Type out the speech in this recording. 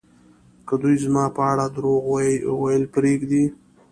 که دوی زما په اړه درواغ ویل پرېږدي